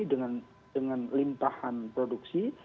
dengan limpahan produksi